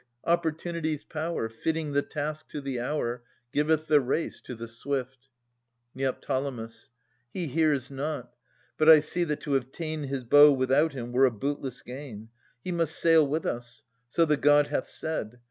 Opportunity' s power. Fitting the task to the hour, Giveth the race to the swift. Ned. He hears not. But I see that to have ta'en His bow without him were a bootless gain. He must sail with us. So the god hath said.